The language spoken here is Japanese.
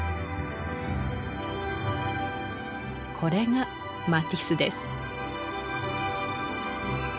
これがマティスです。